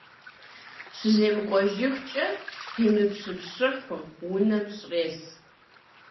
- ЩыземыкӀуэжыфкӀэ, къимыпщэпщыхьу унэм щӀрес!